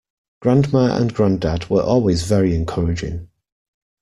Grandma and grandad were always very encouraging.